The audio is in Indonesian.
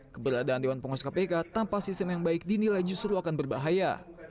keberadaan dewan pengawas kpk tanpa sistem yang baik dinilai justru akan berbahaya